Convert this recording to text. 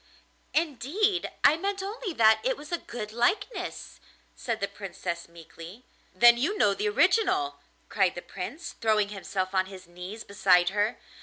'Indeed, I meant only that it was a good likeness,' said the Princess meekly. 'Then you know the original,' cried the Prince, throwing himself on his knees beside her.